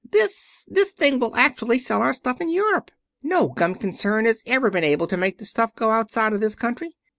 "This this thing will actually sell our stuff in Europe! No gum concern has ever been able to make the stuff go outside of this country.